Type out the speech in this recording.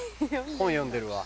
本読んでるわ。